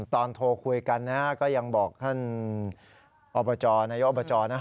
ตอนโทรคุยกันนะก็ยังบอกท่านอบจนายกอบจนะ